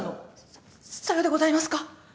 ささようでございますか。